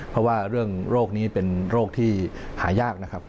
เพราะว่าเรื่องโรคนี้เป็นโรคที่หายากนะครับ